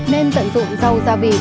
nên tận dụng rau gia vị